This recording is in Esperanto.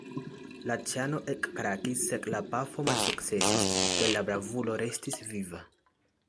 La ĉano ekkrakis, sed la pafo malsukcesis, kaj la bravulo restis viva.